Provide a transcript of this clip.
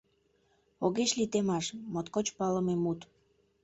Огеш лий темаш», — моткоч палыме мут.